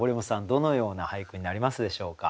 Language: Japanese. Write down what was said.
どのような俳句になりますでしょうか。